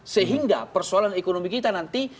sehingga persoalan ekonomi kita nanti